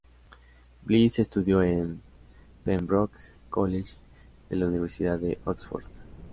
Bliss estudió en Pembroke College de la Universidad de Oxford.